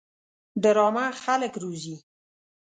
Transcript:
ډرامه خلک روزي